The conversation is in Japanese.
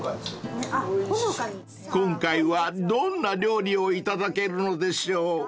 ［今回はどんな料理をいただけるのでしょう］